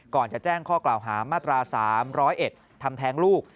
ก่อนจะแจ้งข้อกล่าวหามาตรา๓๐๑ทำแท้งลูก